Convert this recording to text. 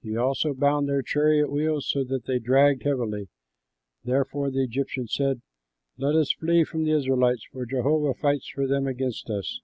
He also bound their chariot wheels, so that they dragged heavily. Therefore the Egyptians said, "Let us flee from the Israelites, for Jehovah fights for them against us."